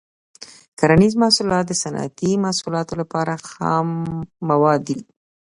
کرنیز محصولات د صنعتي محصولاتو لپاره خام مواد دي.